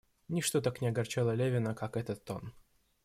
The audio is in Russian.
Ничто так не огорчало Левина, как этот тон.